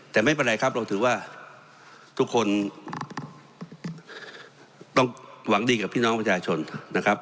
แต่ไม่เป็นไรครับเราถือว่าทุกคนต้องหวังดีกับพี่น้องประชาชนนะครับ